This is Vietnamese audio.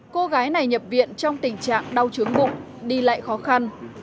cô gái này nhập viện trong tình trạng đau trướng bụng đi lại khó khăn